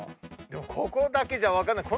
ここだけじゃ分かんない。